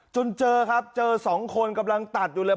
จนเจอครับเจอสองคนกำลังตัดอยู่เลย